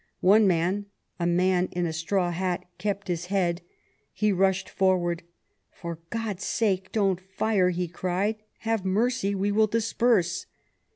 One man, a man in a straw hat, kept his head. He rushed forward. "For God's sake don't fire!" he cried. "Have mercy! We will disperse."